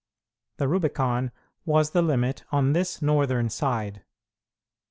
The Rubicon was the limit on this northern side.